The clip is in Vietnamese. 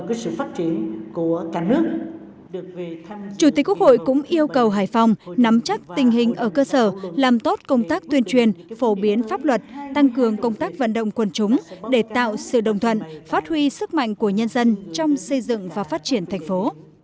chủ tịch quốc hội cũng yêu cầu hải phòng nắm chắc tình hình ở cơ sở làm tốt công tác tuyên truyền phổ biến pháp luật tăng cường công tác vận động quân chúng để tạo sự đồng thuận phát huy sức mạnh của nhân dân trong xây dựng và phát triển thành phố